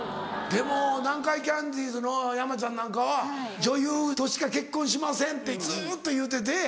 でも南海キャンディーズの山ちゃんなんかは「女優としか結婚しません」ってずっと言うてて。